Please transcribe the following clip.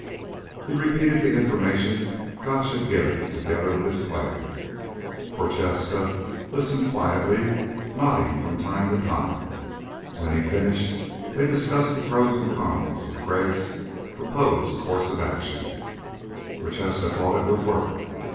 He repeated the information Gotch had given, together with his plan. Prochaska listened quietly, nodding from time to time. When he finished, they discussed the pros and cons of Crag's proposed course of action. Prochaska thought it would work.